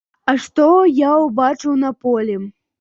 А што я ўбачыў на полі?